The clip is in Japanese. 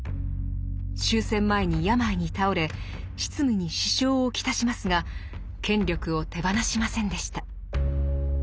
終戦前に病に倒れ執務に支障を来しますが権力を手放しませんでした。